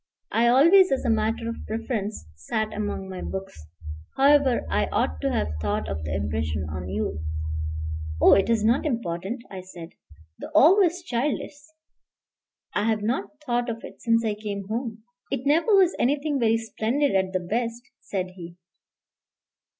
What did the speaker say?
I always, as a matter of preference, sat among my books; however, I ought to have thought of the impression on you." "Oh, it is not important," I said; "the awe was childish. I have not thought of it since I came home." "It never was anything very splendid at the best," said he.